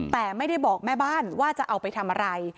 แต่ไม่ได้บอกแม่บ้านว่าจะเอาไปทำอะไร